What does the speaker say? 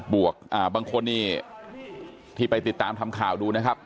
บางคนนี่ที่ไปติดตามทำข่าวดูนะครับ